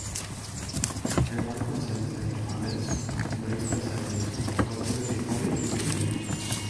El parc concentra, a més, bonics paisatges, boscos latifolis i pinedes.